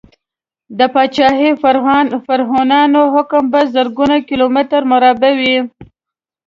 د پاچاهي فرعونیانو حکم په زرګونو کیلو متره مربع و.